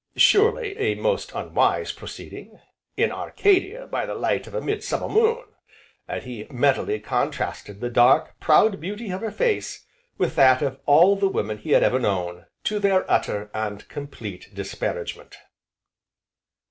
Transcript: Surely a most unwise proceeding in Arcadia, by the light of a midsummer moon! And he mentally contrasted the dark, proud beauty of her face, with that of all the women he had ever known, to their utter, and complete disparagement.